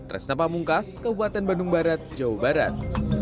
resna pamungkas kabupaten bandung barat jawa barat